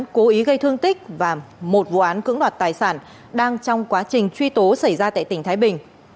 một vụ án cố ý gây thương tích và một vụ án cưỡng đoạt tài sản đang trong quá trình truy tố xảy ra tại tỉnh thái bình